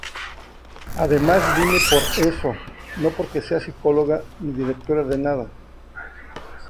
Además vine por eso, no porque sea psicóloga ni directora de nada.